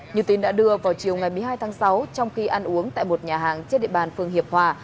như tin đã đưa vào chiều ngày một mươi hai tháng sáu trong khi ăn uống tại một nhà hàng trên địa bàn phường hiệp hòa